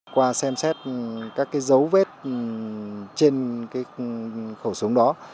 qua xem xét các dấu vết trên cái khẩu súng đó